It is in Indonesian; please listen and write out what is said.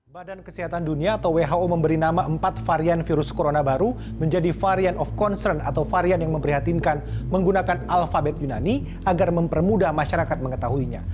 badan kesehatan dunia atau who memberi nama empat varian virus corona baru menjadi varian of concern atau varian yang memprihatinkan menggunakan alfabet yunani agar mempermudah masyarakat mengetahuinya